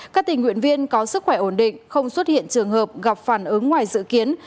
các tình nguyện viên có sức khỏe ổn định không xuất hiện trường hợp gặp phản ứng ngoài dự kiến